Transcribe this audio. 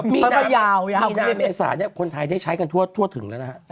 มีน้ำเอสาคนไทยได้ใช้กันทั่วถึงแล้วนะฮะ